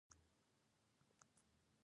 ځینې خلک په ښه ژبه نه پوهیږي.